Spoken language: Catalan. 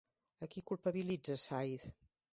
A qui culpabilitza Sáiz?